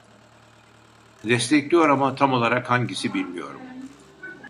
Destekliyor ama tam olarak hangisi bilmiyorum